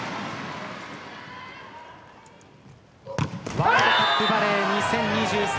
ワールドカップバレー２０２３